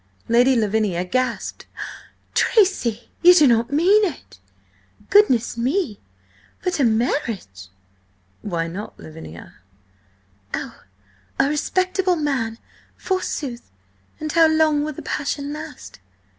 Lady Lavinia gasped. "Tracy! You do not mean it? Goodness me, but a marriage!" "Why not, Lavinia?" "Oh, a respectable married man, forsooth! And how long will the passion last?"